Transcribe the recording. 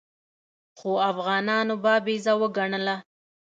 خو افغانانو بابیزه وګڼله.